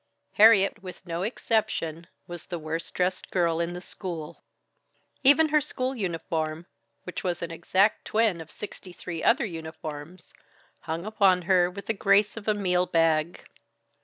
Harriet, with no exception, was the worst dressed girl in the school. Even her school uniform, which was an exact twin of sixty three other uniforms, hung upon her with the grace of a meal bag.